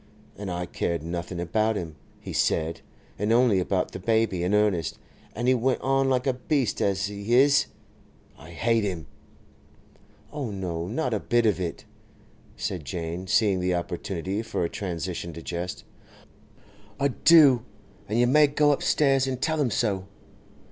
And I cared nothing about him, he said, and only about the baby and Ernest. And he went on like a beast, as he is! I hate him!' 'Oh no, not a bit of it!' said Jane, seeing the opportunity for a transition to jest. 'I do! And you may go upstairs and tell him so.